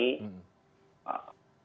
kami juga akan menangani